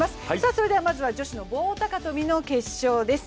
それではまずは女子の棒高跳の決勝です。